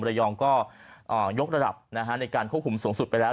ระยองก็ยกระดับในการควบคุมสูงสุดไปแล้ว